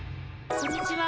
こんにちは。